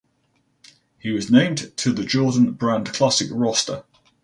He was named to the Jordan Brand Classic roster.